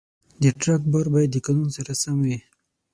د ټرک بار باید د قانون سره سم وي.